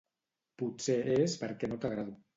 Potser és perquè no t'agrado.